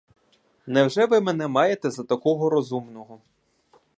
Невже ви мене маєте за такого розумного?